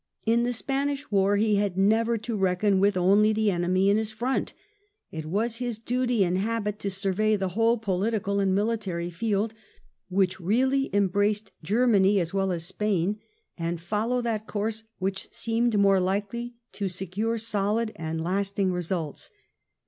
In the Spanish war he had never to reckon with only the enemy in his front. It was his duty and habit to survey the whole political and military field, which really embraced Germany as well as Spain, and follow that 1 86 WELLINGTON course which seemed most likely to secure solid and lasting results.